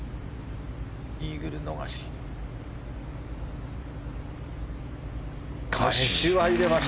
イーグル逃し。